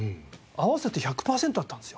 合わせて１００パーセントあったんですよ